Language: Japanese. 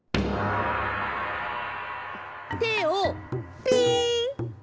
てをピン。